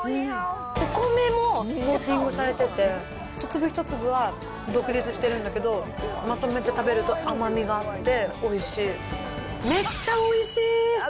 お米もコーティングされてて、一粒一粒は独立してるんだけど、まとめて食べると甘みがあって、おいしい。